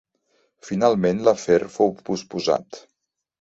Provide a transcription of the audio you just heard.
Finalment l'afer fou posposat.